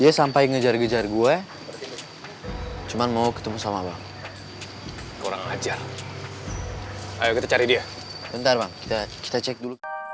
aku senang banget om bisa nelfon aku